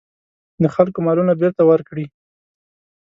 د خلکو مالونه بېرته ورکړي.